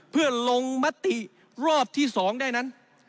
เพื่อลงมติรอบที่๒ได้นั้น